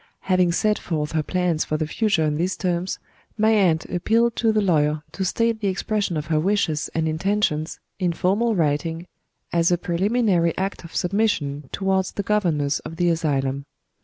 Having set forth her plans for the future in these terms, my aunt appealed to the lawyer to state the expression of her wishes and intentions, in formal writing, as a preliminary act of submission towards the governors of the asylum.